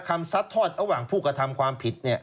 ซัดทอดระหว่างผู้กระทำความผิด